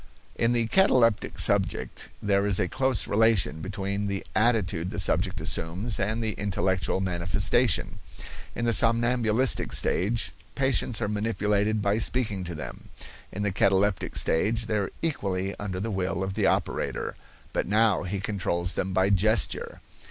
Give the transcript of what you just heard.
In the cataleptic subject there is a close relation between the attitude the subject assumes and the intellectual manifestation. In the somnambulistic stage patients are manipulated by speaking to them; in the cataleptic stage they are equally under the will of the operator; but now he controls them by gesture.